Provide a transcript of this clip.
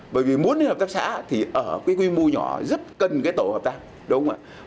bởi vì muốn hợp tác xã thì ở quy mô nhỏ rất cần tổ hợp tác đúng không ạ